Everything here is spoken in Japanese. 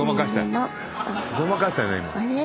ごまかしたよね